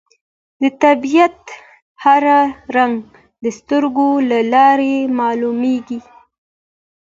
د طبیعت هر رنګ د سترګو له لارې معلومېږي